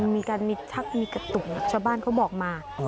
มีการมีชักมีกระตุกชาวบ้านเขาบอกมา